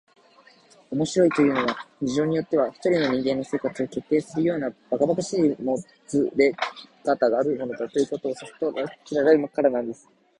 「面白いというのは、事情によっては一人の人間の生活を決定するようなばかばかしいもつれかたがあるものだ、ということをさとらせられるからなんです」